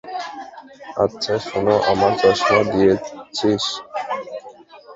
আচ্ছা শুন আমার চশমা দিয়েছিস?